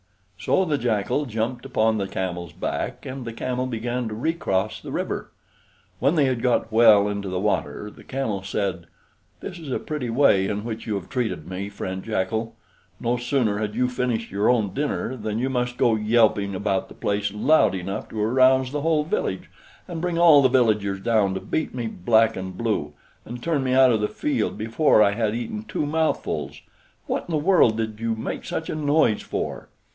So the Jackal jumped upon the Camel's back, and the Camel began to recross the river. When they had got well into the water, the Camel said: "This is a pretty way in which you have treated me, friend Jackal. No sooner had you finished your own dinner than you must go yelping about the place loud enough to arouse the whole village, and bring all the villagers down to beat me black and blue, and turn me out of the field before I had eaten two mouthfuls! What in the world did you make such a noise for?"